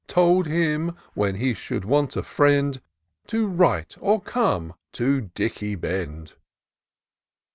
Told him, when he should want a friend. To write, or come, to Dicky Bend.